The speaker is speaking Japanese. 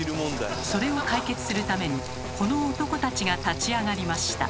それを解決するためにこの男たちが立ち上がりました。